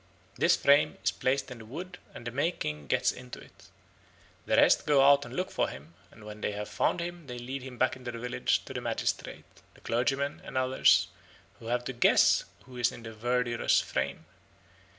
This frame is placed in the wood and the May King gets into it. The rest go out and look for him, and when they have found him they lead him back into the village to the magistrate, the clergyman, and others, who have to guess who is in the verdurous frame.